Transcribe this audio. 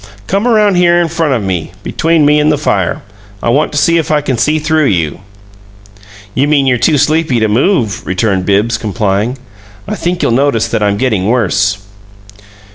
Come around here in front of me between me and the fire. I want to see if I can see through you." "You mean you're too sleepy to move," returned Bibbs, complying. "I think you'll notice that I'm getting worse."